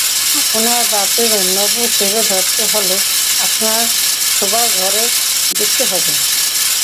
আপনার বাথরুমের নব চেপে ধরতে হলে আপনার শোবার ঘরে ঢুকতে হবে।